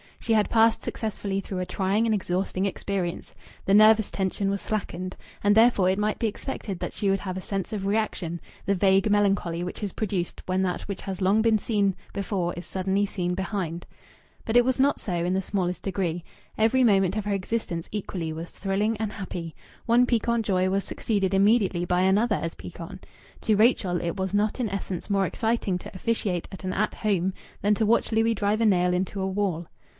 She had passed successfully through a trying and exhausting experience; the nervous tension was slackened. And therefore it might be expected that she would have a sense of reaction, the vague melancholy which is produced when that which has long been seen before is suddenly seen behind. But it was not so in the smallest degree. Every moment of her existence equally was thrilling and happy. One piquant joy was succeeded immediately by another as piquant. To Rachel it was not in essence more exciting to officiate at an At Home than to watch Louis drive a nail into a wall.